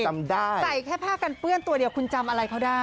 ใส่แค่ผ้ากันเปื้อนตัวเดียวคุณจำอะไรเขาได้